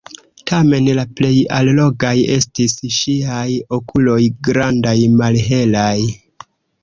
Tamen la plej allogaj estis ŝiaj okuloj, grandaj, malhelaj.